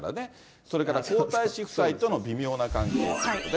それから皇太子夫妻との微妙な関係ということで。